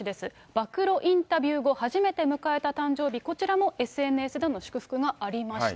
暴露インタビュー後初めて迎えた誕生日、こちらもＳＮＳでの祝福がありました。